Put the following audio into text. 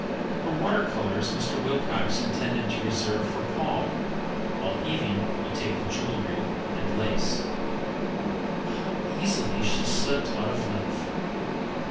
Her water colours Mr. Wilcox intended to reserve for Paul, while Evie would take the jewellery and lace. How easily she slipped out of life!